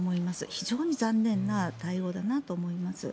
非常に残念な対応だなと思います。